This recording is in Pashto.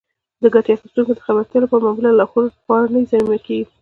د ګټې اخیستونکو د خبرتیا لپاره معمولا لارښود پاڼې ضمیمه کیږي.